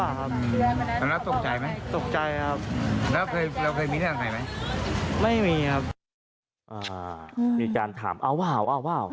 อ้าวมีชาญอ้าวอ้าว